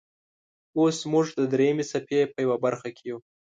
اوس موږ د دریمې څپې په یوه برخې کې یو.